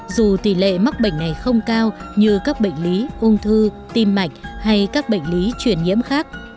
dù tỷ lệ mắc bệnh này không cao như các bệnh lý ung thư tim mạch hay các bệnh lý truyền nhiễm khác